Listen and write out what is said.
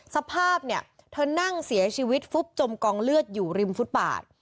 สภาพเนี่ยเธอนั่งเสียชีวิตฟุบจมกองเลือดอยู่ริมฟุตบาท